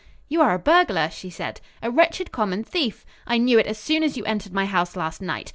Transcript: "You are a burglar," she said, "a wretched, common thief. I knew it as soon as you entered my house last night.